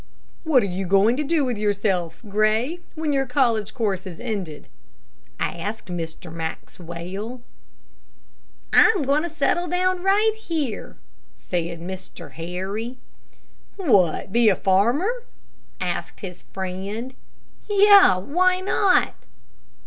"What are you going to do with yourself, Gray, when your college course is ended?" asked Mr. Maxwell. "I am going to settle right down here," said Mr. Harry. "What, be a farmer?" asked his friend. "Yes; why not?"